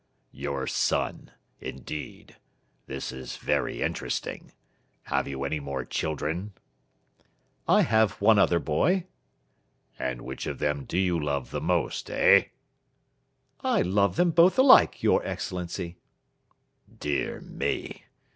"Your son? Indeed. This is very interesting. Have you any more children?" "I have one other boy." "And which of them do you love the most, eh?" "I love them both alike, your Excellency." "Dear me!